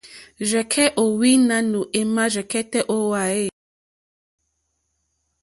Rzeke o ohwi nanù ema rzekɛtɛ o wa e?